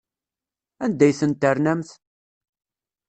Anda ay tent-ternamt?